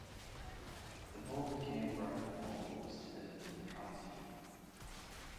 The ball game Rock-It-Ball was developed in the county.